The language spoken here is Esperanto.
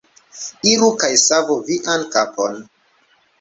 Iru kaj savu vian kapon!